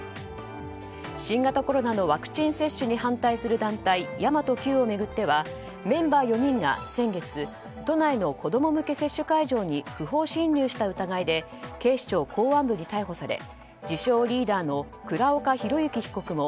新型コロナのワクチン接種に反対する団体神真都Ｑを巡ってはメンバー４人が先月先月、都内の子供向け接種会場に不法侵入した疑いで警視庁公安部に逮捕され自称リーダーの倉岡宏行被告も